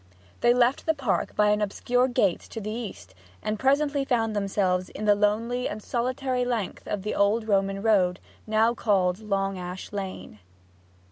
They left the park by an obscure gate to the east, and presently found themselves in the lonely and solitary length of the old Roman road now called Long Ash Lane.